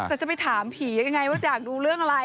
แต่จะไปถามผียังไงว่าอยากรู้เรื่องอะไร